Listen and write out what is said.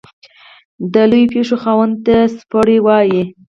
د لويو پښو خاوند ته څپړورے وائي۔